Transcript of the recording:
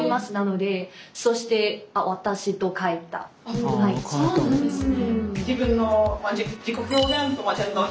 あそうなんですね。